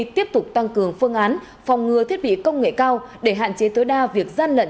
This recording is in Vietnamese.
tiếp tục tăng cường phương án phòng ngừa thiết bị công nghệ cao để hạn chế tối đa việc gian lận